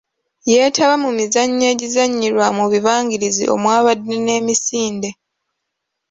Yeetaba mu mizannyo egizannyirwa mu bibangirizi omwabadde n'emisinde.